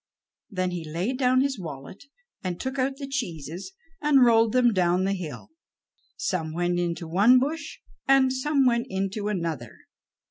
Then he laid down his wallet and took out the cheeses, and rolled them down the hill. Some went into one bush, and some went into another.